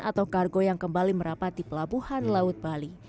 atau kargo yang kembali merapat di pelabuhan laut bali